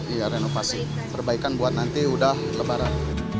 iya renovasi perbaikan buat nanti udah lebaran